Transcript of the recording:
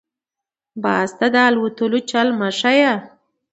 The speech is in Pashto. - باز ته دالوتلو چل مه ښیه.